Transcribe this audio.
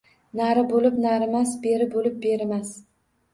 Nari bo‘lib narimas, beri bo‘lib berimas